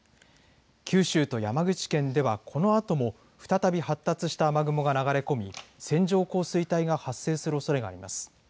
九州と山口県ではこのあとも再び発達した雨雲が流れ込み線状降水帯が発生するおそれがあります。